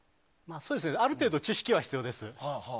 ある程度、知識は必要です。